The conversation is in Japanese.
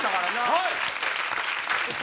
はい！